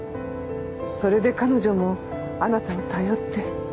それで彼女もあなたを頼って。